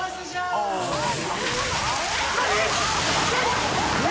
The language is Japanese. すごい。